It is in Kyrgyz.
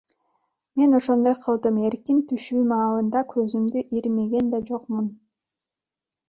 Мен ошондой кылдым, эркин түшүү маалында көзүмдү ирмеген да жокмун.